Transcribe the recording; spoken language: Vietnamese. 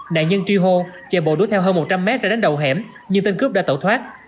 nạn nhân tri hô chạy bộ đuối theo hơn một trăm linh m ra đánh đầu hẻm nhưng tên cướp đã tẩu thoát